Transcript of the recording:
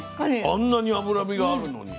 あんなに脂身があるのに。